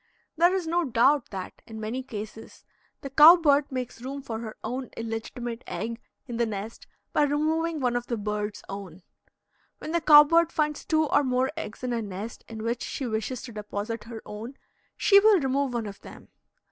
There is no doubt that, in many cases, the cow bird makes room for her own illegitimate egg in the nest by removing one of the bird's own. When the cow bird finds two or more eggs in a nest in which she wishes to deposit her own, she will remove one of them.